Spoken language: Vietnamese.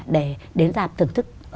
để đến giảm thưởng thức